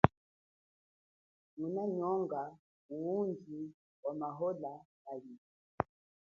Nguna nyonga undji wa maola malinga.